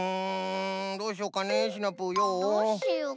どうしようかねシナプーよ。